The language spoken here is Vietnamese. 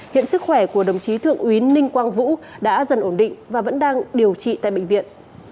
hiện sức khỏe của đồng chí thượng úy ninh quang vũ đã dần ổn định và vẫn đang điều trị tại bệnh viện